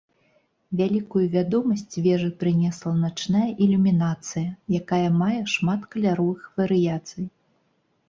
Вялікую вядомасць вежы прынесла начная ілюмінацыя, якая мае шмат каляровых варыяцый.